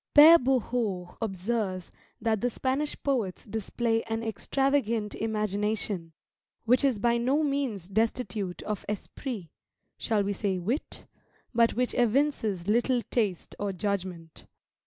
Pere Bouhours observes, that the Spanish poets display an extravagant imagination, which is by no means destitute of esprit shall we say wit? but which evinces little taste or judgment.